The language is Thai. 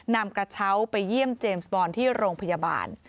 นำกระเช้าไปเยี่ยมเจมส์บอลที่โรงพยาบาล